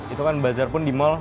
itu kan bazar pun di mall